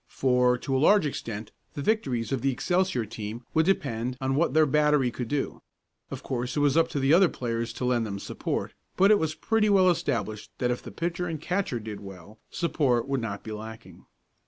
For, to a large extent, the victories of the Excelsior team would depend on what their battery could do. Of course it was up to the other players to lend them support, but it was pretty well established that if the pitcher and catcher did well, support would not be lacking.